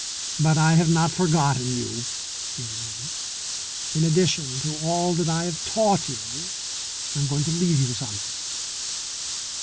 "But I have not forgotten you," he resumed. "In addition to all that I have taught you, I am going to leave you something.